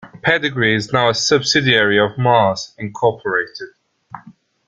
Pedigree is now a subsidiary of Mars, Incorporated.